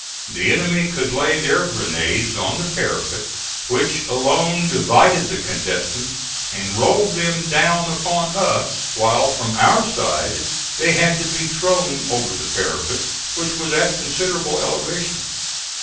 The enemy could lay their grenades on the parapet, which alone divided the contestants, and roll them down upon us; while from our side they had to be thrown over the parapet, which was at considerable elevation.